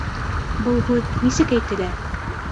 Был һүҙ нисек әйтелә?